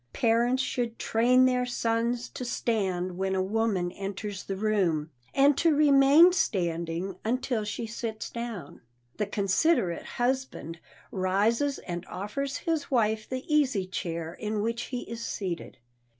Parents should train their sons to stand when a woman enters the room, and to remain standing until she sits down. The considerate husband rises and offers his wife the easy chair in which he is seated.